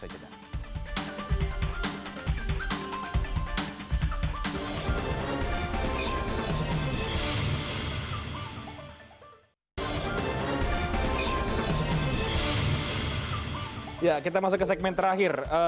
ya kita masuk ke segmen terakhir